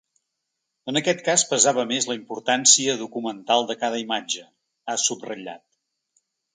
En aquest cas pesava més la importància documental de cada imatge, ha subratllat.